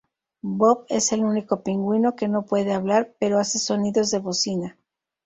Bob es el único pingüino que no puede hablar, pero hace sonidos de bocina.